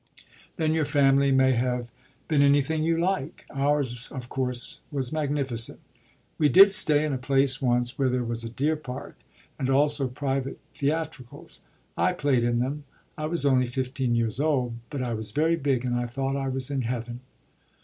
Then your family may have been anything you like. Ours of course was magnificent. We did stay in a place once where there was a deer park, and also private theatricals. I played in them; I was only fifteen years old, but I was very big and I thought I was in heaven.